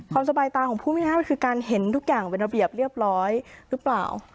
สบายตาของพูดง่ายมันคือการเห็นทุกอย่างเป็นระเบียบเรียบร้อยหรือเปล่า